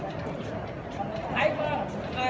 มันเป็นสิ่งที่จะให้ทุกคนรู้สึกว่า